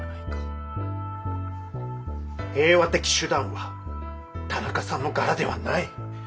平和的手段は田中さんの柄ではない。